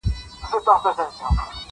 په دولت او مال یې ډېر وو نازولی,